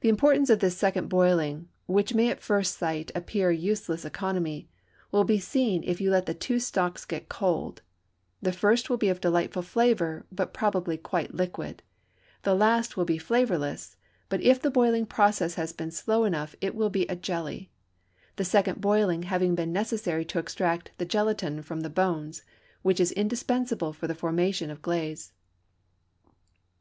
The importance of this second boiling, which may at first sight appear useless economy, will be seen if you let the two stocks get cold; the first will be of delightful flavor, but probably quite liquid; the last will be flavorless, but if the boiling process has been slow enough it will be a jelly, the second boiling having been necessary to extract the gelatine from the bones, which is indispensable for the formation of glaze.